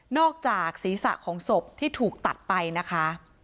จากศีรษะของศพที่ถูกตัดไปนะคะ